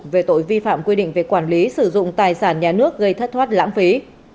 về tội vi phạm quy định về quản lý sử dụng tài sản nhà nước gây thất thoát lãng phí